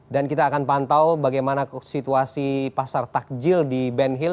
dan kita akan pantau bagaimana situasi pasar takjil di ben hill